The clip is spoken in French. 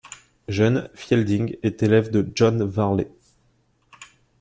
Jeune, Fielding est élève de John Varley.